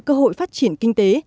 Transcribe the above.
cơ hội phát triển kinh tế